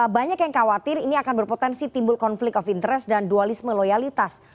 banyak yang khawatir ini akan berpotensi timbul konflik of interest dan dualisme loyalitas